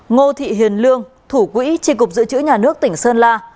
ngô thị hiền lương thủ quỹ trị cục dự trữ nhà nước tỉnh sơn la